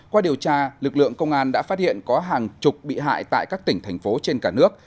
qua điều tra lực lượng công an đã phát hiện có hàng chục bị hại tại các tỉnh thành phố trên cả nước